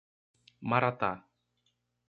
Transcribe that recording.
Maratá